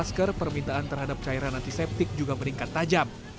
masker permintaan terhadap cairan antiseptik juga meningkat tajam